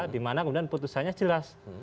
dimana kemudian putusannya jelas